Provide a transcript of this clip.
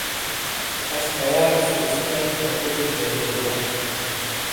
اَش پَیالے سے اِسپائی فورپوٹِیک ولئیلے وا۔